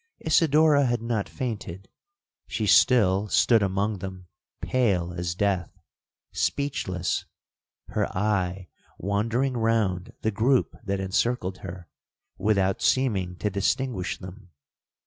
Isidora had not fainted; she still stood among them pale as death, speechless, her eye wandering round the groupe that encircled her, without seeming to distinguish them.